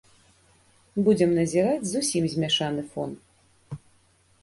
Будзем назіраць зусім змяшаны фон.